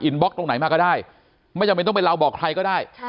บล็อกตรงไหนมาก็ได้ไม่จำเป็นต้องไปเล่าบอกใครก็ได้